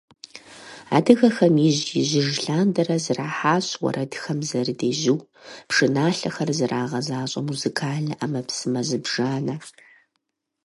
Адыгэхэм ижь-ижьыж лъандэрэ зэрахьащ уэрэдхэм зэрыдежьу, пшыналъэхэр зэрагъэзащӀэ музыкальнэ Ӏэмэпсымэ зыбжанэ.